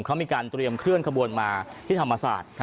เขามีการเตรียมเคลื่อนขบวนมาที่ธรรมศาสตร์